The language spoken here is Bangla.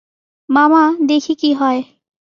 মামা, দেখি কী হয়।